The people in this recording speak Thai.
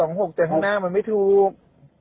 อาจารย์ก็มีแต่๗๒๖แต่ทางหน้ามันไม่ถูก